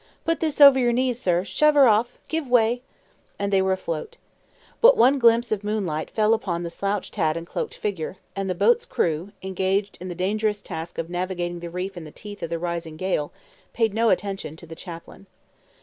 Put this over your knees, sir. Shove her off! Give way!" And they were afloat. But one glimpse of moonlight fell upon the slouched hat and cloaked figure, and the boat's crew, engaged in the dangerous task of navigating the reef in the teeth of the rising gale, paid no attention to the chaplain.